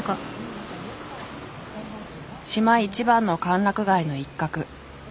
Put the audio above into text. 島一番の歓楽街の一角。